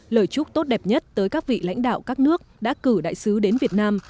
lời chúc tốt đẹp nhất tới các vị lãnh đạo các nước đã cử đại sứ đến việt nam